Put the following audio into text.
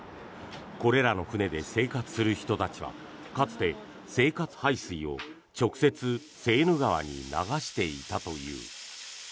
これらの船で生活する人たちはかつて生活排水を直接セーヌ川に流していたという。